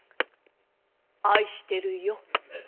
愛してるよ。